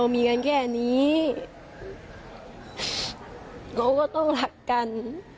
มีกันแค่นี้เราก็ต้องรักกัน